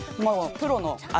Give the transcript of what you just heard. プロの味。